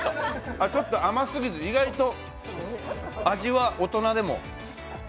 ちょっと甘すぎず、意外と味は大人でも。